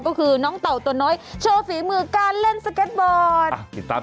ก็คือน้องเต่าตัวน้อยโชว์ฝีมือการเล่นสเก็ตบอร์ดติดตาม